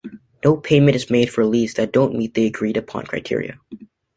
No payment is made for leads that don't meet the agreed upon criteria.